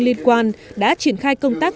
liên quan đã triển khai công tác